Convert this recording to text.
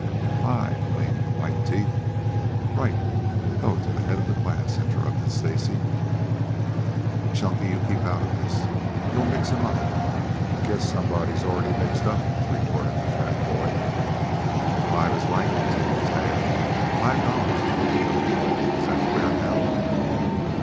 "Five," gleamed the white teeth. "Right. Go to the head of the class," interrupted Stacy. "Chunky, you keep out of this. You'll mix him up." "Guess somebody's mixed up already," retorted the fat boy. "Five is right," continued Tad. "Five dollars is what we owe you. Is that clear now?"